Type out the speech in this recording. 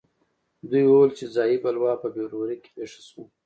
دوی وویل چې ځايي بلوا په فبروري کې پېښه شوه.